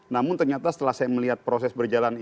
namun ternyata setelah saya melihat proses berjalan